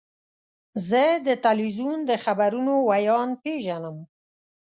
زه د تلویزیون د خبرونو ویاند پیژنم.